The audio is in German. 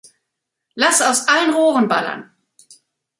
Lass aus allen Rohren ballern.